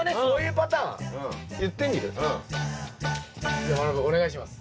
じゃまなぶ君お願いします。